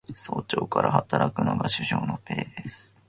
早朝から働くのが首相のペース